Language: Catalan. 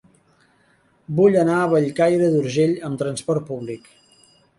Vull anar a Bellcaire d'Urgell amb trasport públic.